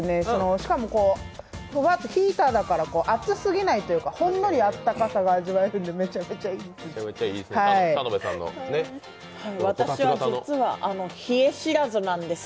しかもヒーターだから熱すぎないというかほんのり暖かさが味わえるんでめちゃめちゃいいんです。